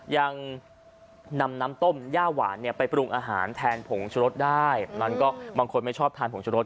ยังนำน้ำต้มย่าหวานเนี่ยไปปรุงอาหารแทนผงชะรสได้มันก็บางคนไม่ชอบทานผงชะรส